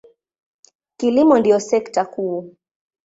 Kilimo ndiyo sekta kuu.